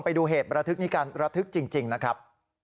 ไปดูเหตุประทึกนี้กันระทึกจริงนะครับ